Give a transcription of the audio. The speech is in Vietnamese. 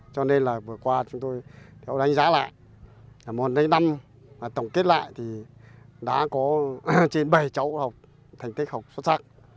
cho nên là vừa qua chúng tôi theo đánh giá lại muốn lấy năm tổng kết lại thì đã có trên bảy cháu học thành tích học xuất sắc